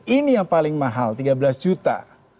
ini yang paling mahal tiga belas juta